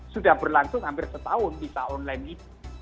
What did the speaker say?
sudah berlangsung hampir setahun visa online itu